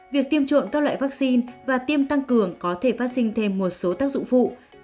việc tiêm trộm các loại vaccine và tiêm tăng cường có thể phát sinh thêm một số tác dụng phụ